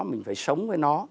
mình phải sống với nó